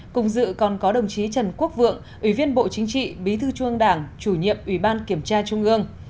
cùng dự còn có đồng chí trần quốc vượng ủy viên bộ chính trị bí thư trung ương đảng chủ nhiệm ủy ban kiểm tra trung ương